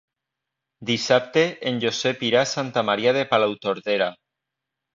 Dissabte en Josep irà a Santa Maria de Palautordera.